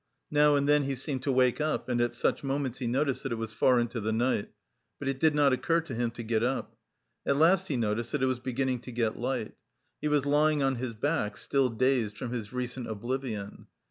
Now and then he seemed to wake up, and at such moments he noticed that it was far into the night, but it did not occur to him to get up. At last he noticed that it was beginning to get light. He was lying on his back, still dazed from his recent oblivion.